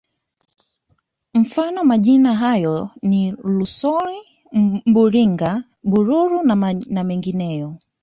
Mfano majina hayo ni Rusori Buringa Bururi na mengineyo